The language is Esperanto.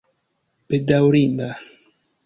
bedaŭrinda